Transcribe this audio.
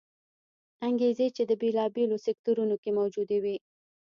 انګېزې چې د بېلابېلو سکتورونو کې موجودې وې